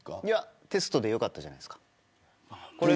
いや、テストでよかったじゃないですか。